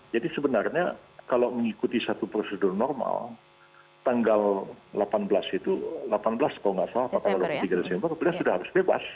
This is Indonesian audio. jadi sebenarnya kalau mengikuti satu prosedur normal tanggal delapan belas itu delapan belas kalau tidak salah tiga belas desember beliau sudah harus bebas